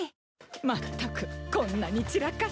まったくこんなに散らかして。